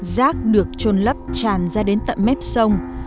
rác được trôn lấp tràn ra đến tận mép sông